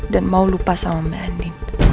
dan mau lupa sama mbak andi